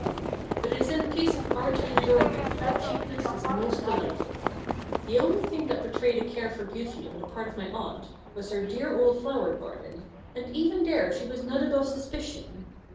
But it is in the case of art and adornment that cheapness is most delightful. The only thing that betrayed a care for beauty on the part of my aunt was her dear old flower garden, and even there she was not above suspicion.